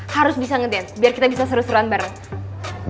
harus bisa ngedance biar kita bisa seru seruan bareng